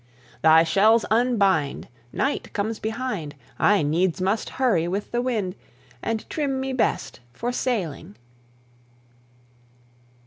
Thy shells unbind! Night comes behind; I needs must hurry with the wind And trim me best for sailing.